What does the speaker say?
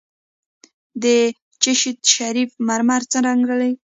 د چشت شریف مرمر څه رنګ لري؟